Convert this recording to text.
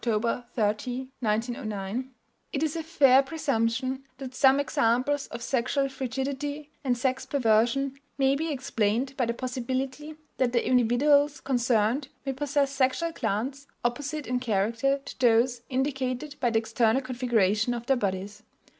30, 1909): "It is a fair presumption that some examples of sexual frigidity and sex perversion may be explained by the possibility that the individuals concerned may possess sexual glands opposite in character to those indicated by the external configuration of their bodies."